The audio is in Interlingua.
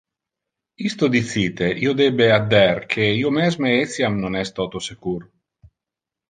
Isto dicite, io debe adder que io mesme etiam non es toto secur.